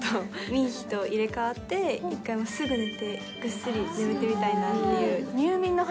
ミーヒと入れ代わって、一回、すぐ寝て、ぐっすり眠りたいなぁっていう。